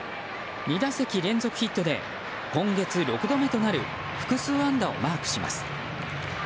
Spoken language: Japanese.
２打席連続ヒットで今月６度目となる複数安打をマークします。